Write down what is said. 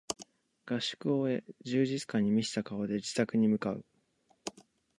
合宿を終え充実感に満ちた顔で自宅に向かう